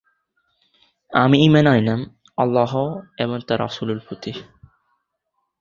এটি তিব্বতের সর্ববৃহৎ বিদ্যুৎ উৎপাদন কেন্দ্র।